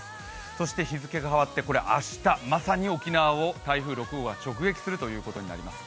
そして日付変わって、明日、まさに沖縄を台風６号が直撃するということになります。